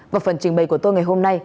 và phần trình bày của tôi ngày hôm nay